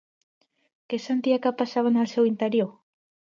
Què sentia que passava en el seu interior?